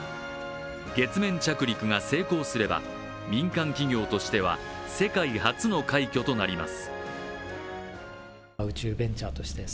月面着陸が成功すれば民間企業としては世界初の快挙となります。